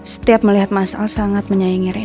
setiap melihat mas al sangat menyayangi rena